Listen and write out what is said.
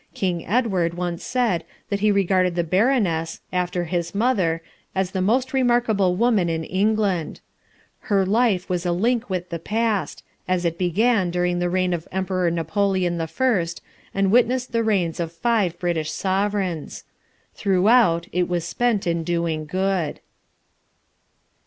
King Edward once said that he regarded the Baroness, after his mother, as the most remarkable woman in England. Her life was a link with the past, as it began during the reign of Emperor Napoleon I, and witnessed the reigns of five British sovereigns. Throughout it was spent in doing good.